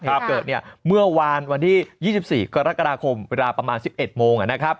เหตุเกิดเมื่อวานวันที่๒๔กรกฎาคมเวลาประมาณ๑๑โมง